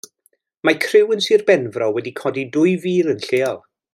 Mae criw yn Sir Benfro wedi codi dwy fil yn lleol.